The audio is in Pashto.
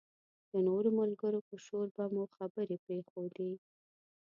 د نورو ملګرو په شور به مو خبرې پرېښودې.